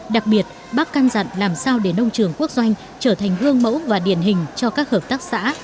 đặc biệt bác căn dặn làm sao để nông trường quốc doanh trở thành gương mẫu và điển hình cho các hợp tác xã